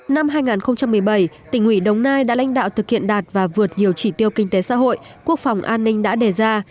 năm hai nghìn một mươi bảy tỉnh ủy đồng nai đã lãnh đạo thực hiện đạt và vượt nhiều chỉ tiêu kinh tế xã hội quốc phòng an ninh đã đề ra